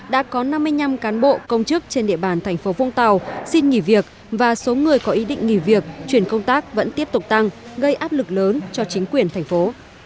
đã có năm mươi năm cán bộ công chức trên địa bàn thành phố vũng tàu xin nghỉ việc và số người có ý định nghỉ việc chuyển công tác vẫn tiếp tục tăng gây áp lực lớn cho chính quyền thành phố